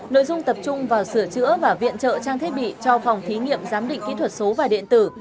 nội dung tập trung vào sửa chữa và viện trợ trang thiết bị cho phòng thí nghiệm giám định kỹ thuật số và điện tử